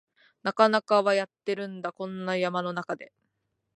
なかなかはやってるんだ、こんな山の中で